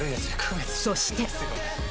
そして。